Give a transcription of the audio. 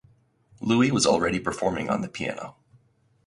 Louis was already performing on the piano.